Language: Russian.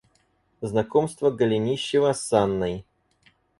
Знакомство Голенищева с Анной.